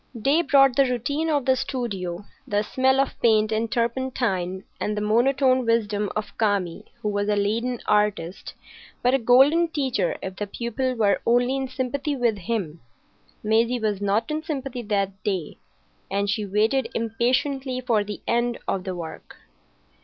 Day brought the routine of the studio, the smell of paint and turpentine, and the monotone wisdom of Kami, who was a leaden artist, but a golden teacher if the pupil were only in sympathy with him. Maisie was not in sympathy that day, and she waited impatiently for the end of the work.